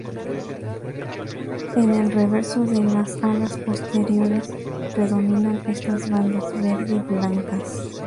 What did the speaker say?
En el reverso de las alas posteriores, predominan estas bandas verdi-blancas.